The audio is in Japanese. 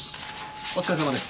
お疲れさまです。